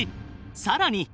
更に。